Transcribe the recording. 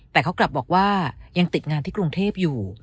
แต่เขากลับบอกว่ายังติดงานที่กรุงเทพอยู่